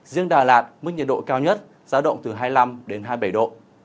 riêng đà lạt mức nhiệt độ cao nhất giá động từ hai mươi năm đến hai mươi bảy độ